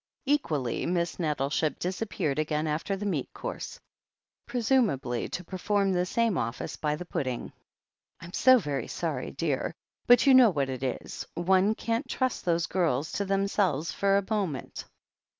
Equally Miss Nettleship disappeared again after the meat course, presumably to perform the same office by the pudding. no THE HEEL OF ACHILLES "I'm so sorry, dear — ^but you know what it is — one can't trust those girls to themselves for a moment.